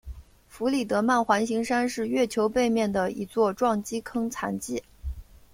弗里德曼环形山是月球背面的一座撞击坑残迹。